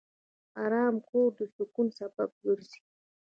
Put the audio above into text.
آرام کور د سکون سبب ګرځي.